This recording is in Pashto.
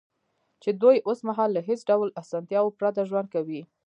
چې دوی اوس مهال له هېڅ ډول اسانتیاوو پرته ژوند کوي